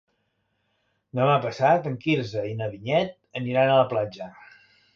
Demà passat en Quirze i na Vinyet aniran a la platja.